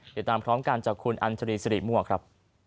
เดี๋ยวตามพร้อมกันจากคุณอันทรีย์สรีมั่วครับ